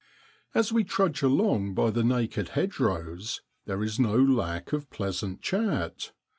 As we trudge along by the naked hedgerows there is no lack of pleasant chat.